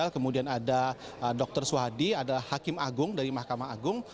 kemudian ada dr suhadi ada hakim agung dari mahkamah agung